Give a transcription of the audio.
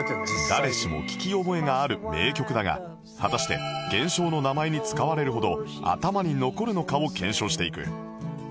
誰しも聞き覚えがある名曲だが果たして現象の名前に使われるほど頭に残るのかを検証していく